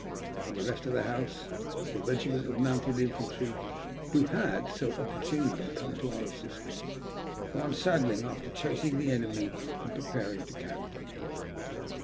On the left of the house the regiment of mounted infantry, who had so opportunely come to our assistance, were unsaddling after chasing the enemy, and preparing to camp.